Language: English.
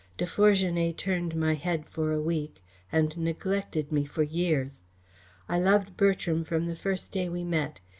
De Fourgenet turned my head for a week and neglected me for years. I loved Bertram from the first day we met.